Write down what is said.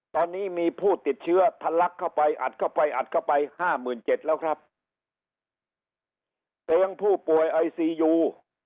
ตอนนี้มีผู้ติดเชื้อทะลักเข้าไปอัดเข้าไปอัดเข้าไปห้าหมื่นเจ็ดแล้วครับเตียงผู้ป่วยไอซียู